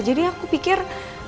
jadi aku pikir